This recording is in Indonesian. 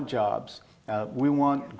kita ingin kembang